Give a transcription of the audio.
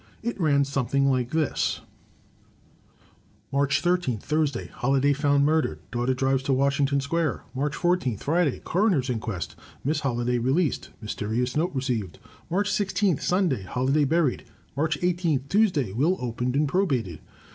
It ran something like this: March 13, Thursday — Holladay found murdered; daughter drives to Washington Square. March 14, Friday — Coroner's inquest; Miss Holladay released; mysterious note received. March 16, Sunday — Holladay buried. March 18, Tuesday — Will opened and probated.